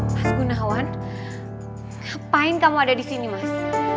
mas gunawan ngapain kamu ada di sini mas